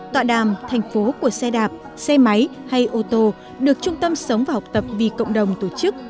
tọa đàm thành phố của xe đạp xe máy hay ô tô được trung tâm sống và học tập vì cộng đồng tổ chức